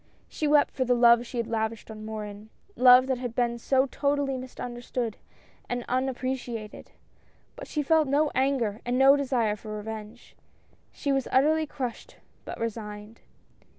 She wept for the love she had lavished on Morin, love that had been so totally misunderstood and unap preciated. But she felt no anger and no desire for revenge. She was utterly crushed, but resigned.